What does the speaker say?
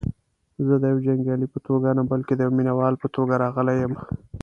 زه دیوه جنګیالي په توګه نه بلکې دیوه مینه وال په توګه راغلی یم.